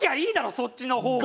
そっちの方が。